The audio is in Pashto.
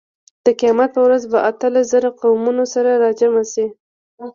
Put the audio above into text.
د قیامت په ورځ به اتلس زره قومونه سره راجمع شي.